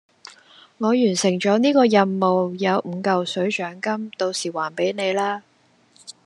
我完成咗呢個任務有五嚿水獎金，到時還俾你啦